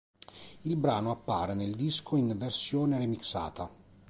Il brano appare nel disco in versione remixata.